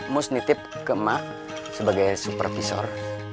mus nitip ke emak sebagai supervisor